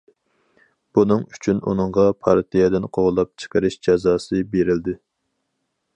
بۇنىڭ ئۈچۈن، ئۇنىڭغا پارتىيەدىن قوغلاپ چىقىرىش جازاسى بېرىلدى.